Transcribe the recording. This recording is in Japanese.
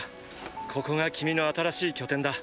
ここが君の新しい拠点だ。